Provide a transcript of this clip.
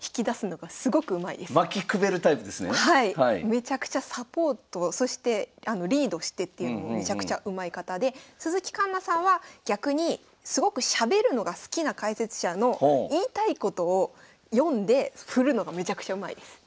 めちゃくちゃサポートそしてリードしてっていうのがめちゃくちゃうまい方で鈴木環那さんは逆にすごくしゃべるのが好きな解説者の言いたいことを読んで振るのがめちゃくちゃうまいです。